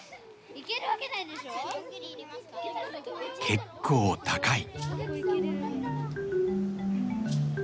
結構高い。